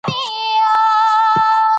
ترکیب د ژبې یو مهم واحد دئ.